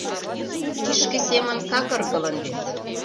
— Кишке семын кагыргылын вет.